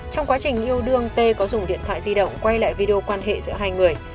trong quá trình yêu đương tê có dùng điện thoại di động quay lại video quan hệ giữa hai người